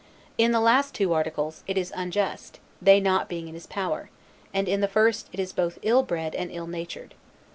In the two last articles, it is unjust, they not being in his power: and in the first it is both ill bred and ill natured.